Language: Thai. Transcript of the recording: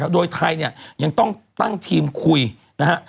โดยไทยเนี่ยยังต้องตั้งทีมคุยนะฮะ